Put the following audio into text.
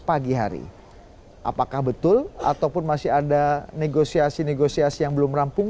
ataupun masih ada negosiasi negosiasi yang belum merampung